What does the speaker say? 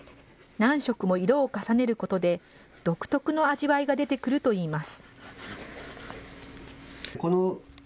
何色も色を重ねることで、独特の味わいが出てくるといいます。